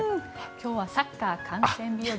今日はサッカー観戦日和